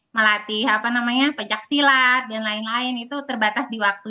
melatih apa namanya pencaksilat dan lain lain itu terbatas di waktu